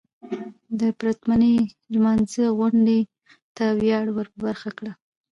د پرتمينې لمانځغونډې ته وياړ ور په برخه کړه .